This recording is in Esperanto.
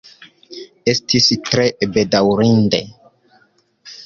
Estis tre bedaŭrinde.